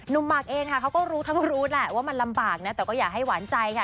หมากเองค่ะเขาก็รู้ทั้งรู้แหละว่ามันลำบากนะแต่ก็อย่าให้หวานใจค่ะ